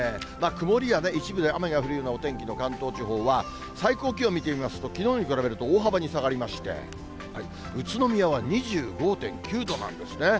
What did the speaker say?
曇りや一部で雨が降るようなお天気の関東地方は、最高気温見てみますと、きのうに比べると大幅に下がりまして、宇都宮は２５．９度なんですね。